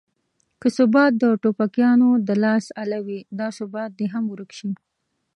که ثبات د ټوپکیانو د لاس اله وي دا ثبات دې هم ورک شي.